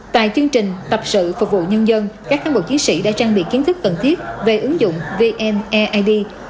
tại chương trình tập sự phục vụ nhân dân các thân bộ chiến sĩ đã trang bị kiến thức cần thiết về ứng dụng vneid